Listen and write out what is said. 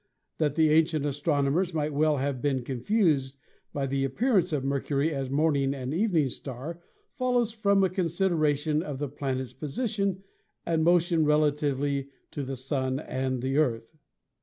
That the ancient astronomers might well have been confused by the appearance of Mercury as morning and evening star follows from a considera tion of the planets' position and motion relatively to the Sun and the Earth.